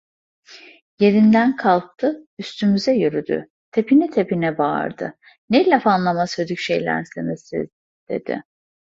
Yerinden kalktı, üstümüze yürüdü, tepine tepine bağırdı: "Ne laf anlamaz hödük şeylersiniz siz!" dedi.